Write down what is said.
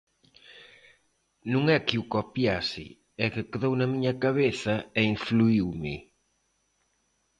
Non é que o copiase, é que quedou na miña cabeza e influíume.